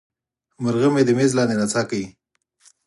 مرغه مې د میز لاندې نڅا کوي.